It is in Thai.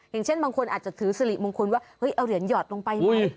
อย่างเช่นบางคนอาจจะถือสิริมงคลว่าเฮ้ยเอาเหรียญหยอดลงไปไหม